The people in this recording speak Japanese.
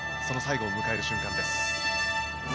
その最後を迎える瞬間です。